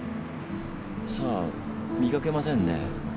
さあ見かけませんね。